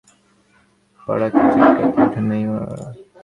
জাতীয় দল ও ক্লাব সতীর্থের পায়ের পাড়া খেয়ে চিৎকার দিয়ে ওঠেন নেইমার।